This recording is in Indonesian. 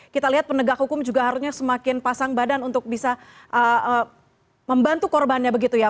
kita lihat penegak hukum juga harusnya semakin pasang badan untuk bisa membantu korbannya begitu ya